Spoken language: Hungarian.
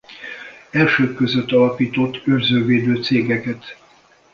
Elsők között alapított őrző védő cégeket.